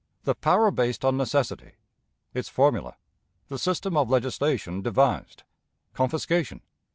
The Power based on Necessity. Its Formula. The System of Legislation devised. Confiscation.